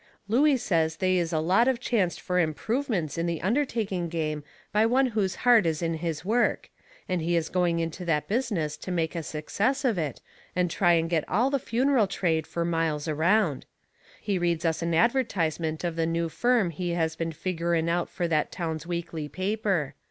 Looey says they is a lot of chancet fur improvements in the undertaking game by one whose heart is in his work, and he is going into that business to make a success of it, and try and get all the funeral trade fur miles around. He reads us an advertisement of the new firm he has been figgering out fur that town's weekly paper.